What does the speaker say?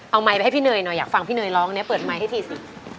เอาไมค์ไปให้พี่เนยหน่อยอยากฟังพี่เนยร้องเนี่ยเปิดไมค์ให้ทีสิ